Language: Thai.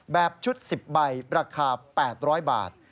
แบบชุด๑๐ใบราคา๘๐๐บาท